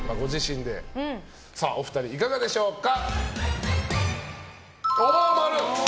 お二人、いかがでしょうか。